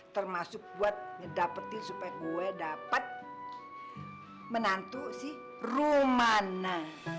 termasuk buat mendapatin supaya gue dapat menantu si rumana